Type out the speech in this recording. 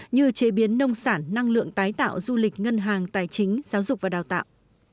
như chế biến nông sản năng lượng tái tạo du lịch ngân hàng tài chính giáo dục và đào tạo